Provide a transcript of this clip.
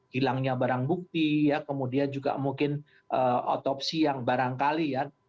hilangnya barang bukti ya kemudian juga mungkin otopsi yang barangkali ya